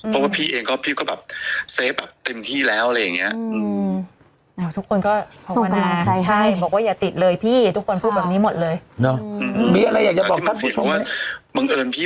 เพราะพี่เองก็เซฟเต็มที่แล้วอะไรอย่างนี้